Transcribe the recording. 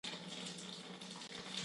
زه د کړکۍ خواته کېناستم.